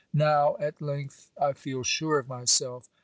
Now, at length, I feel sure of myself.